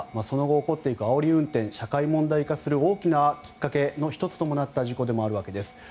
その後、起こっていくあおり運転社会問題化する大きなきっかけの１つともなった事故となるわけです。